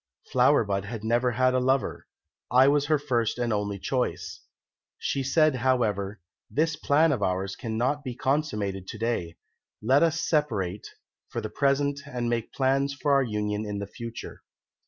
Flower bud had never had a lover; I was her first and only choice. She said, however, 'This plan of ours cannot be consummated to day; let us separate for the present and make plans for our union in the future.'